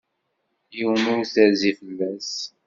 Yiwen ur terzi fell-as.